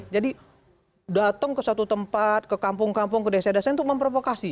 jadi datang ke satu tempat ke kampung kampung ke desa desa itu memprovokasi